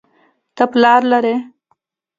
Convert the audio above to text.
ته پلار لرې